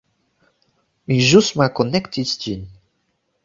Mi ĵus malkonektis ĝin